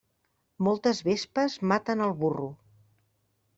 Moltes vespes maten el burro.